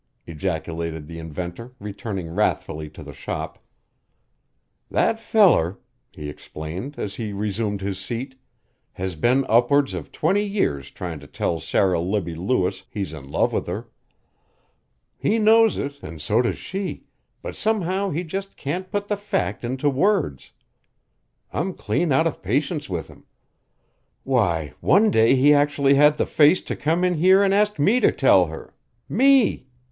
ejaculated the inventor returning wrathfully to the shop. "That feller," he explained as he resumed his seat, "has been upwards, of twenty years tryin' to tell Sarah Libbie Lewis he's in love with her. He knows it an' so does she, but somehow he just can't put the fact into words. I'm clean out of patience with him. Why, one day he actually had the face to come in here an' ask me to tell her me!